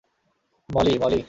Moli, Moli.